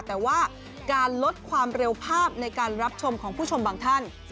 แต่ว่าการลดความเร็วภาพในการรับชมของผู้ชมบางท่าน